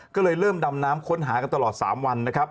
ก็เลยเริ่มดำน้ำค้นหากันตลอด๓วันนะครับ